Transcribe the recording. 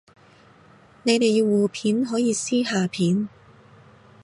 你哋要互片可以私下片